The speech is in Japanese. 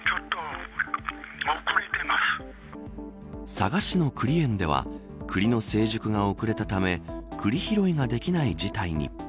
佐賀市の栗園ではクリの成熟が遅れたため栗拾いができない事態に。